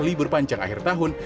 libur panjang akhir tahun